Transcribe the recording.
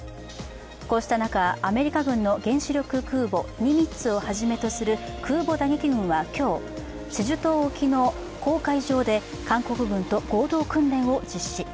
こうした中、アメリカ軍の原子力空母「ニミッツ」をはじめとする空母打撃群は今日、チェジュ島沖の公海上で韓国軍と合同訓練を実施。